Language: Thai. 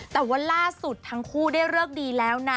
แต่ว่าล่าสุดทั้งคู่ได้เลิกดีแล้วนะ